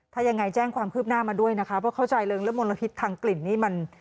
ถ้ายังไงแจ้งความคืบหน้ามาด้วยนะคะเพราะเข้าใจเรื่องและมลพิษทางกลิ่นนี่มัน